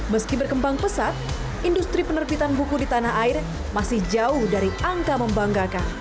meski berkembang pesat industri penerbitan buku di tanah air masih jauh dari angka membanggakan